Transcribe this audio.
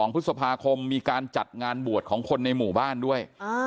๒พฤษภาคมมีการจัดงานบวชของคนในหมู่บ้านด้วย